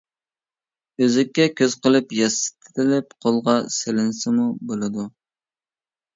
ئۈزۈككە كۆز قىلىپ ياسىتىلىپ قولغا سېلىنسىمۇ بولىدۇ.